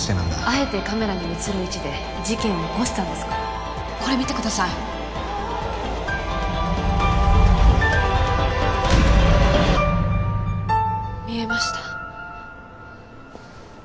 あえてカメラに映る位置で事件を起こしたこれ見てください見えました。